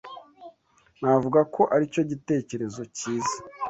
Navuga ko aricyo gitekerezo cyiza